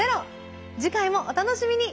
次回もお楽しみに。